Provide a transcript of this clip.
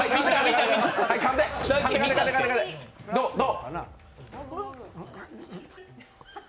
どう？